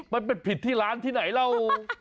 มันเป็นผิดที่ร้านที่ไหนเล่า